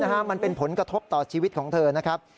มันเป็นผลกระทบต่อชีวิตของเธอนะครับ